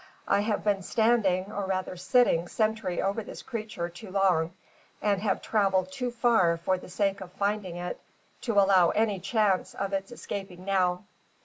I have been standing, or rather sitting, sentry over this creature too long, and have travelled too far for the sake of finding it, to allow any chance of its escaping now.